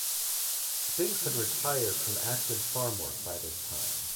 Spinks had retired from active farm work by this time.